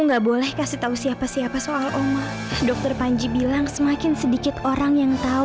enggak boleh kasih tahu siapa siapa soal oma dokter panji bilang semakin sedikit orang yang tahu